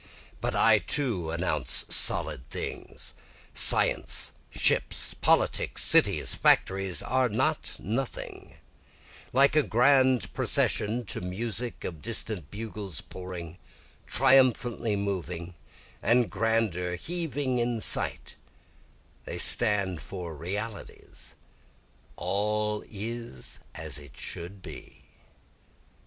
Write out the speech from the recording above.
But I too announce solid things, Science, ships, politics, cities, factories, are not nothing, Like a grand procession to music of distant bugles pouring, triumphantly moving, and grander heaving in sight, They stand for realities all is as it should be.